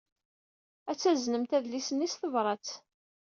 Ad taznemt adlis-nni s tebṛat.